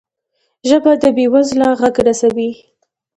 ژبه د بې وزله غږ رسوي